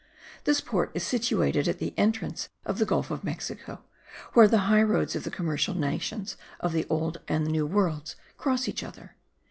This port is situated at the entrance of the Gulf of Mexico, where the high roads of the commercial nations of the old and the new worlds cross each other.